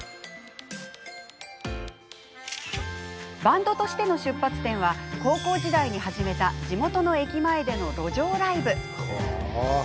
バンドとしての出発点は高校時代に始めた地元の駅前での路上ライブ。